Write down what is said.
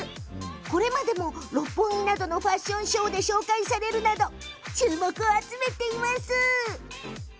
これまでも六本木などのファッションショーで紹介されるなど注目を集めています。